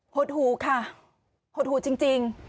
หดหูค่ะหดหูจริง